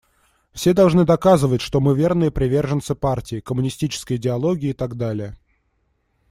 Все должны доказывать, что мы верные приверженцы партии, коммунистической идеологии и так далее.